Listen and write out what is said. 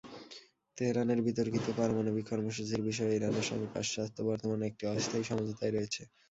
তেহরানের বিতর্কিত পারমাণবিক কর্মসূচির বিষয়ে ইরানের সঙ্গে পাশ্চাত্য বর্তমানে একটি অস্থায়ী সমঝোতায় রয়েছে।